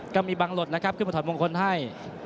ก็มีบางหลดนะครับขึ้นมาถอดมงคลให้